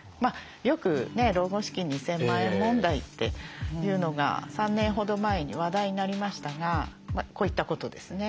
よく老後資金２，０００万円問題というのが３年ほど前に話題になりましたがこういったことですね。